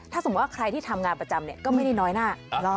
ถ้าสมมุติว่าใครที่ทำงานประจำก็ไม่ได้น้อยหน้า